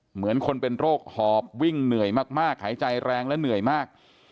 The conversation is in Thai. เหมือนคนเป็นโรคหอบวิ่งเหนื่อยมากหายใจแรงและเหนื่อยมาก